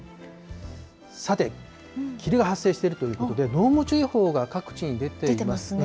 さて、霧が発生しているということで、濃霧注意報が各地に出ています。